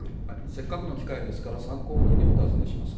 せっかくの機会ですから、参考人にお尋ねします。